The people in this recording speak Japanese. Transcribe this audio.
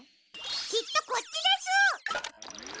きっとこっちです。